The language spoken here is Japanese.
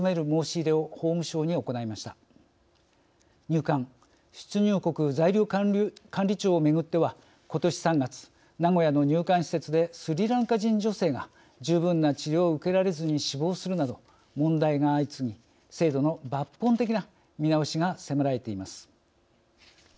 入管出入国在留管理庁をめぐってはことし３月名古屋の入管施設でスリランカ人女性が十分な治療を受けられずに死亡するなど問題が相次ぎ制度の抜本的な見直しが迫られています。